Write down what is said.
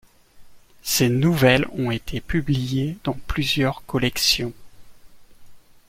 Ses nouvelles ont été publiées dans plusieurs collections.